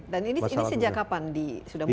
dan ini sejak kapan sudah mulai diarahkan seperti ini